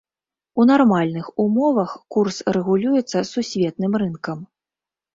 У нармальных умовах курс рэгулюецца сусветным рынкам.